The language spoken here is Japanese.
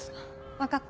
分かった。